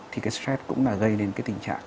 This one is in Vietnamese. thì cái stress cũng là gây đến cái tình trạng